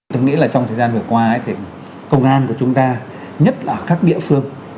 tôi nghĩ là trong thời gian vừa qua thì công an của chúng ta nhất là ở các địa phương